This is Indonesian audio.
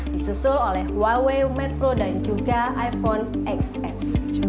disusul oleh huawei mate pro dan juga iphone xs